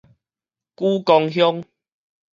莒光鄉